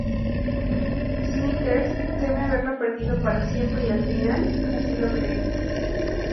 Smithers teme haberlo perdido para siempre y al final, así lo cree.